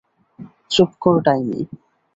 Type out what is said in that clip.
চুপ কর, ডাইনী!